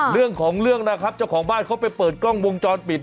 เรื่องของเรื่องนะครับเจ้าของบ้านเขาไปเปิดกล้องวงจรปิด